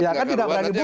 ya kan tidak boleh dibuka